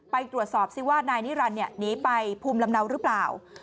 ไปตรวจสอบซิว่านายนิรันดิ์หนีไปภูมิลำเนาหรือเปล่า